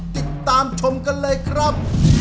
ติดตามชมกันเลยครับ